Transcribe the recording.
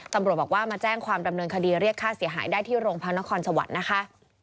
ตำรวจบอกว่ามาแจ้งความดำเนินคดีเรียกค่าเสียหายได้ที่โรงพักนครสวรรค์นะคะ